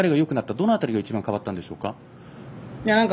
どの辺りが一番変わったんでしょうか。